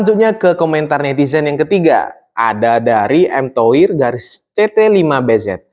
dan ke komentar netizen yang ketiga ada dari mtoir ct lima bz